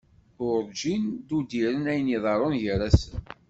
Urǧin d-udiren ayen iḍerrun gar-asen.